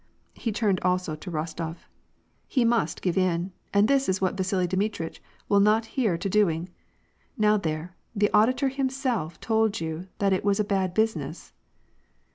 He turned also to Rostof :" He must give in, and this is what Vasili Dmitritch will not hear to doing. Now there, the audi tor himself told you that it was a bad business."